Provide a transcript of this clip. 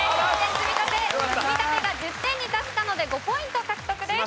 積み立てが１０点に達したので５ポイント獲得です。